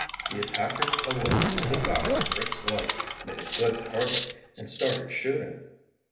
The attackers awoke to the fact that Rick's light made a good target and started shooting.